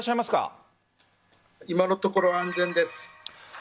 今のところ安全です。